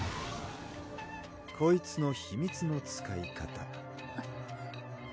こいつの秘密の使い方